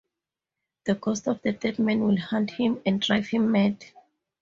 The ghost of the dead man will haunt him and drive him mad.